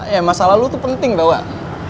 ya masa lalu tuh penting tau gak